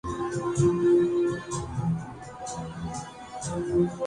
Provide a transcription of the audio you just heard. میری نیک خواہشات عمر اکمل کے ساتھ ہیں